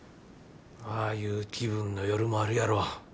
ああいう気分の夜もあるやろ。